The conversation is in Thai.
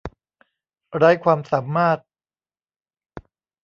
ไร้ความสามารถ